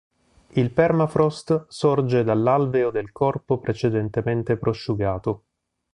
Il permafrost sorge dall"'alveo" del corpo precedentemente prosciugato.